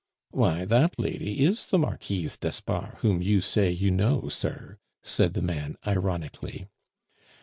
"Why, that lady is the Marquise d'Espard, whom you say you know, sir," said the man ironically.